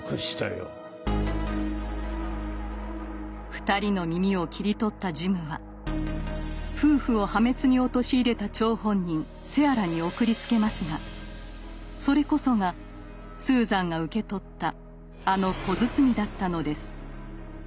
２人の耳を切り取ったジムは夫婦を破滅に陥れた張本人セアラに送りつけますがそれこそがスーザンが受け取ったあの小包だったのです。